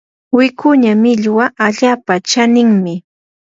wikuña millwa allaapa chaninmi.